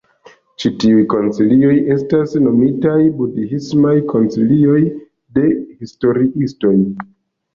Ĉi tiuj koncilioj estas nomitaj "budhismaj koncilioj" de historiistoj.